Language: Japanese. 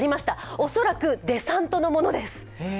おそらくデサントのものです。